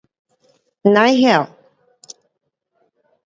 甭晓